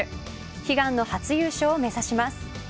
悲願の初優勝を目指します。